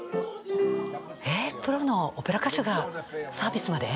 えプロのオペラ歌手がサービスまで？